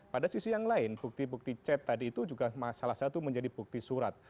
pada sisi yang lain bukti bukti chat tadi itu juga salah satu menjadi bukti surat